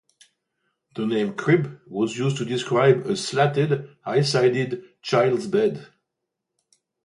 The name "crib" was used to describe a slatted, high-sided child's bed.